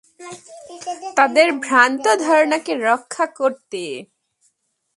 তাদের ভ্রান্ত ধারণাকে রক্ষা করতে।